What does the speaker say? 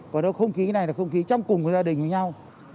còn không khí này là không khí trong cùng gia đình với nhau